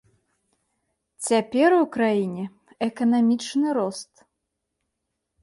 Цяпер у краіне эканамічны рост.